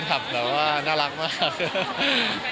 ฟานคลับเรา้น่ารักมาก